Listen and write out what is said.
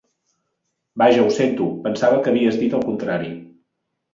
Vaja, ho sento. Pensava que havies dit el contrari.